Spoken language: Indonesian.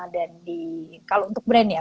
dan di kalau untuk brand ya